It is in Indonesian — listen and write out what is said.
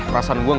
rasa gue gak enak